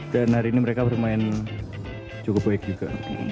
dan hari ini mereka bermain cukup baik juga